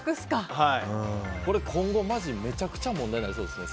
今後、マジでめちゃくちゃ問題になりそうですね。